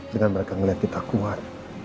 jangan mereka ngeliat kita kuat